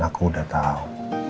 aku udah tau